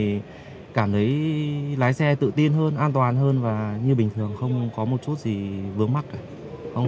thì cảm thấy lái xe tự tin hơn an toàn hơn và như bình thường không có một chút gì vướng mắt cả